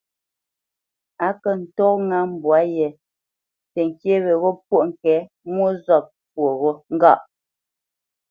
Á kə̂ ntɔ̂ ŋá mbwǎ yē təŋkyé weghó pwôʼ ŋke mwô zɔ̂p fwoghó ŋgâʼ.